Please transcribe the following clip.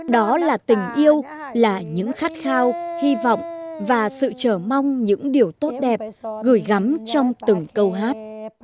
đó là tình yêu là những khát khao hy vọng và sự trở mong những điều tốt đẹp gửi gắm trong từng câu hát